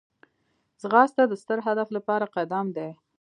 ځغاسته د ستر هدف لپاره قدم دی